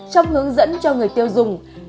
trong hướng dẫn cho người tiêu dùng